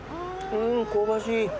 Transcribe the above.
うーん香ばしい。